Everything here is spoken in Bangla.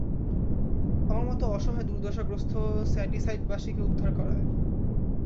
আমার মতো অসহায়, দুর্দশাগ্রস্ত শ্যাডিসাইডবাসী কে উদ্ধার করায়।